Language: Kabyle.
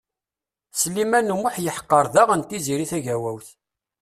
Sliman U Muḥ yeḥqer daɣen Tiziri Tagawawt.